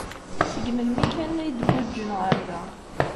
Seg melmi kan ay d-guǧǧen ɣer da.